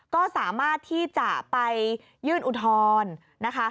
ก็สามารถที่จะไปยื่นอุทธรณ์นะคะ